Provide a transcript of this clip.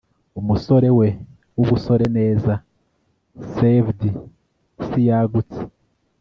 umusore we wubusore neza sav'd, isi yagutse